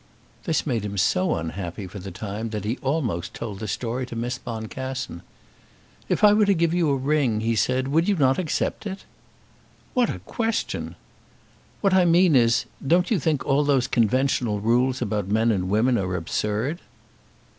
This made him so unhappy for the time that he almost told the story to Miss Boncassen. "If I were to give you a ring," he said, "would not you accept it?" "What a question!" "What I mean is, don't you think all those conventional rules about men and women are absurd?"